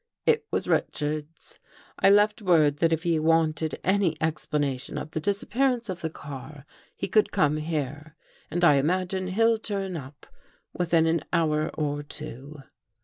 " It was Richards. I left word that if he wanted any explanation of the dis appearance of the car, he could come here, and I imagine he'll turn up within an hour or two."